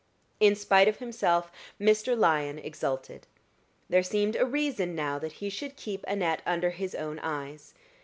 In spite of himself, Mr. Lyon exulted. There seemed a reason now that he should keep Annette under his own eyes.